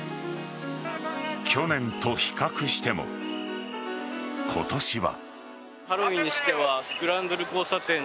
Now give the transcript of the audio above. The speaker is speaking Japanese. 去年と比較しても今年は。